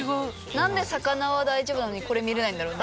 なんで魚は大丈夫なのにこれ見れないんだろうね。